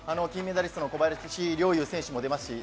金メダリストの小林陵侑選手も出ます。